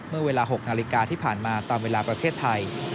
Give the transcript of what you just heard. เมื่อเวลา๖นาฬิกาที่ผ่านมาตามเวลาประเทศไทย